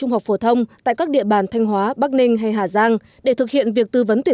họ lớn lên bằng những lời du